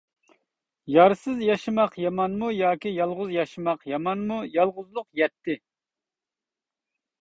يارسىز ياشىماق يامانمۇ ياكى يالغۇز ياشىماق يامانمۇ؟ يالغۇزلۇق يەتتى.